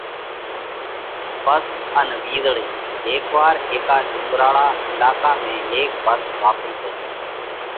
ڀس ان وِيزۯئِي: هيڪ وار هيڪا ڏُونڳراۯا علاقا ۾ هيڪ ڀس زاتئِي تئِي۔